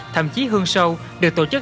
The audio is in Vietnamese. thậm chí hương show được tổ chức